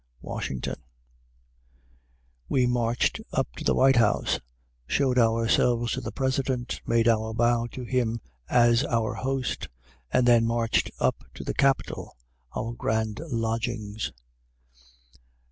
WASHINGTON We marched up to the White House, showed ourselves to the President, made our bow to him as our host, and then marched up to the Capitol, our grand lodgings.